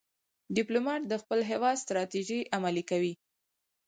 ډيپلومات د خپل هېواد ستراتیژۍ عملي کوي.